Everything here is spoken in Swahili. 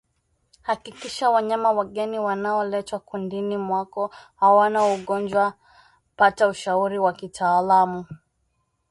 Hakikisha wanyama wageni wanaoletwa kundini mwako hawana ugonjwa pata ushauri wa kitaalamu